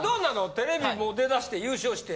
テレビもう出だして優勝して。